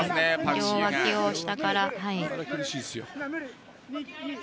両わきを下から。